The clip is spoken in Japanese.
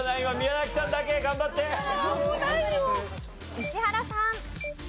石原さん。